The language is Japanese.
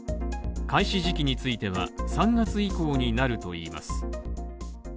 開始時期については３月以降になるといいます。